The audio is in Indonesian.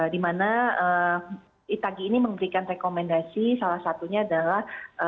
di mana itagi ini memberikan rekomendasi salah satunya adalah